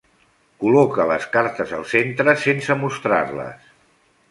Col·loca les cartes el centre sense mostrar-les.